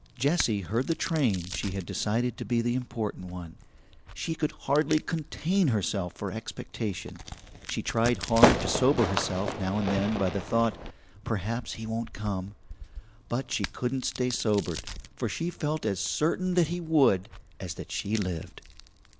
Jessie heard the train she had decided to be the important one. She could hardly contain herself for expectation. She tried hard to sober herself now and then by the thought, "Perhaps he won't come," but she couldn't stay sobered, for she felt as certain that he would as that she lived.